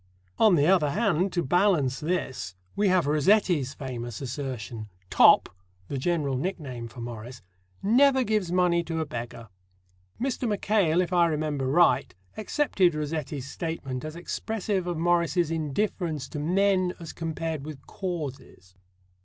On the other hand, to balance this, we have Rossetti's famous assertion: "Top" the general nickname for Morris "never gives money to a beggar." Mr. Mackail, if I remember right, accepted Rossetti's statement as expressive of Morris's indifference to men as compared with causes.